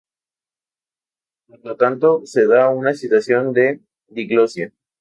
Por lo tanto, se da una situación de diglosia.